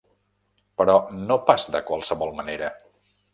Però no pas de qualsevol manera.